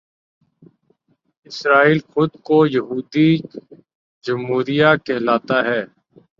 اسرائیل خود کو یہودی جمہوریہ کہلاتا ہے